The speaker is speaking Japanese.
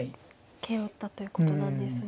桂を打ったということなんですね。